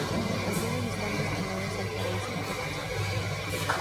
Algunos están destinados al Paraíso; otros al Infierno.